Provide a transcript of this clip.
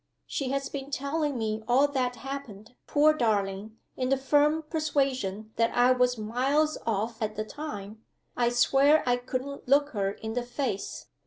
She has been telling me all that happened, poor darling, in the firm persuasion that I was miles off at the time. I swear I couldn't look her in the face!